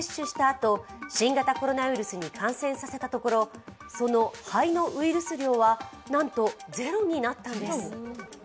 あと新型コロナウイルスに感染させたところその肺のウイルス量は、なんとゼロになったんです。